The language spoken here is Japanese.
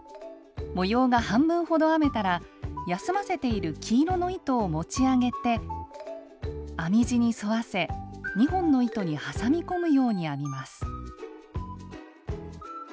模様が半分ほど編めたら休ませている黄色の糸を持ち上げて編み地に沿わせ２本の糸に挟み込むように編みます。